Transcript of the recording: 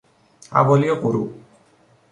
حوالی غروب